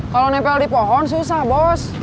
kalau nempel di pohon susah bos